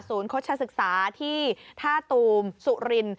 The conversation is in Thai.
โฆษศึกษาที่ท่าตูมสุริน